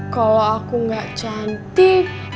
kalo aku gak cantik